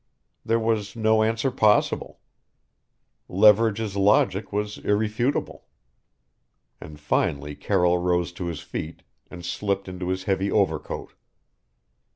There was no answer possible. Leverage's logic was irrefutable. And finally Carroll rose to his feet and slipped into his heavy overcoat.